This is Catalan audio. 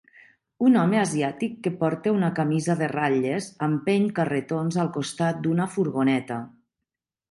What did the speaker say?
Un home asiàtic que porta una camisa de ratlles empeny carretons al costat d'una furgoneta.